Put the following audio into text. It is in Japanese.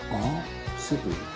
「スープ？」